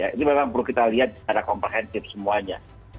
ini memang perlu kita lihat secara komprehensif semuanya